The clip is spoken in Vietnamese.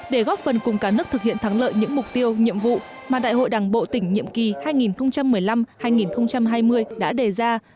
để góp phần cùng cả nước thực hiện thắng lợi những mục tiêu nhiệm vụ mà đại hội đảng bộ tỉnh nhiệm kỳ hai nghìn một mươi năm hai nghìn hai mươi đã đề ra